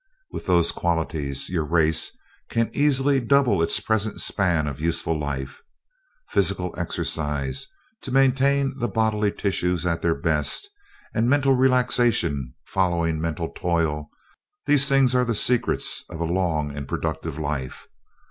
With those qualities your race can easily double its present span of useful life. Physical exercise to maintain the bodily tissues at their best, and mental relaxation following mental toil these things are the secrets of a long and productive life.